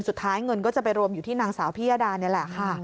สุดท้ายเงินก็จะไปรวมอยู่ที่นางสาวพิยดานี่แหละค่ะ